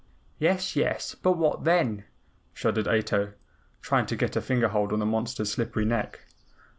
"Yes, yes, but what then?" shuddered Ato, trying to get a finger hold on the monster's slippery neck.